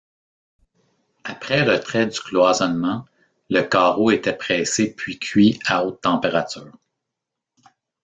Après retrait du cloisonnement, le carreau était pressé puis cuit à haute température.